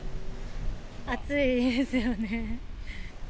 暑いですよね。